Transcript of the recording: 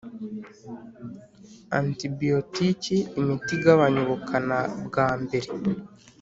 antibiyotiki imiti igabanya ubukana bwa mbere